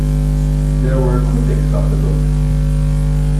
There were critics of the book.